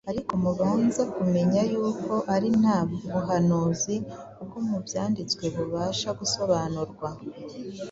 Ariko mubanze kumenya yuko ari nta buhanuzi bwo mu byanditswe bubasha gusobanurwa